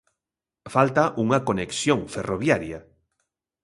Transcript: Falta unha conexión ferroviaria.